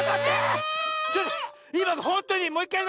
ちょっといまのほんとにもういっかい！